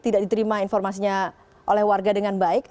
tidak diterima informasinya oleh warga dengan baik